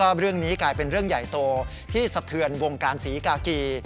เรื่องนี้กลายเป็นเรื่องใหญ่โตที่สะเทือนวงการศรีกากี